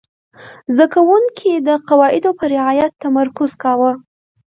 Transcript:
زده کوونکي د قواعدو په رعایت تمرکز کاوه.